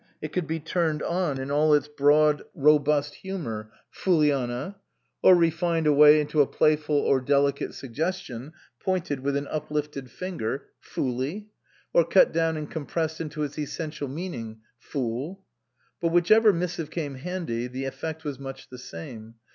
It could be turned on in all its broad robust humour "Fooliana!" Or refined away into a playful or delicate suggestion, pointed with an uplifted finger " Fooli !" Or cut down and compressed into its essential meaning "Fool!" But whichever missive came handy, the effect was much the same.